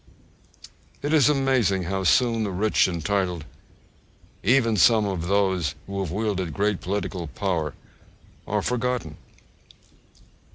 It is amazing how soon the rich and titled, and even some of those who have wielded great political power, are forgotten.